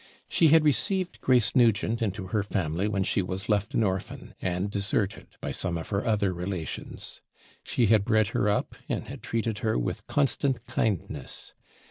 She had received Grace Nugent into her family when she was left an orphan, and deserted by some of her other relations. She had bred her up, and had treated her with constant kindness.